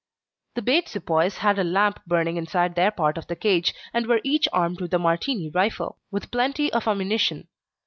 The bait sepoys had a lamp burning inside their part of the cage, and were each armed with a Martini rifle, with plenty of ammunition.